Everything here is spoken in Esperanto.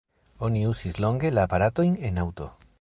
Oni uzis longe la aparatojn en aŭto.